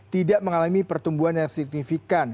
tidak mengalami pertumbuhan yang signifikan